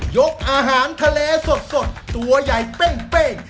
กอาหารทะเลสดตัวใหญ่เป้ง